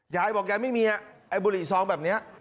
ยายบอกยายไม่มีไอ้บุหรี่ซองแบบนี้